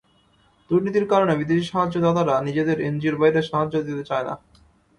দুর্নীতির কারণে বিদেশি সাহায্যদাতারা নিজেদের এনজিওর বাইরে সাহায্য দিতে চায় না।